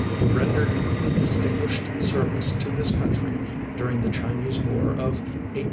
He rendered distinguished service to his country during the Chinese war of 1858 '60.